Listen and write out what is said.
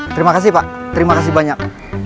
terima kasih pak terima kasih banyak